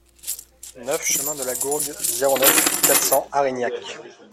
neuf chemin de la Gourgue, zéro neuf, quatre cents Arignac